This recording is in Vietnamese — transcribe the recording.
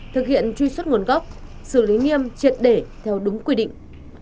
thực hiện truy xuất nguồn gốc xử lý nghiêm triệt để theo đúng quy định